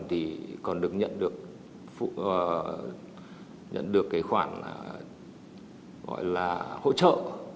thì còn được nhận được khoản hỗ trợ